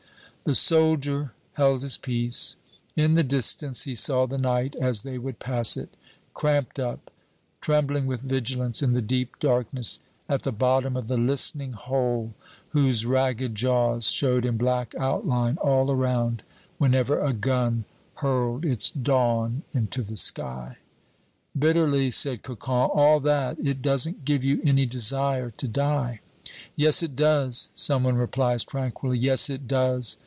The soldier held his peace. In the distance he saw the night as they would pass it cramped up, trembling with vigilance in the deep darkness, at the bottom of the listening hole whose ragged jaws showed in black outline all around whenever a gun hurled its dawn into the sky. Bitterly said Cocon: "All that, it doesn't give you any desire to die." "Yes, it does," some one replies tranquilly. "Yes, it does.